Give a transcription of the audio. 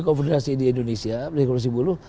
konfederasi di indonesia presiden konfederasi bulu